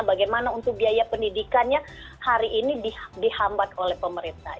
bagaimana untuk biaya pendidikannya hari ini dihambat oleh pemerintah